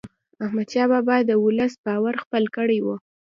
احمدشاه بابا د ولس باور خپل کړی و.